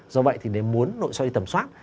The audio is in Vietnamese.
do vậy thì nếu muốn nội soi tầm soát